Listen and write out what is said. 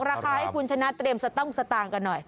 ราคาให้คุณชนะเตรียมสต้งสตางค์กันหน่อย